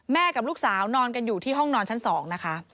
กับลูกสาวนอนกันอยู่ที่ห้องนอนชั้น๒นะคะ